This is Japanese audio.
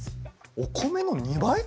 お米の２倍！？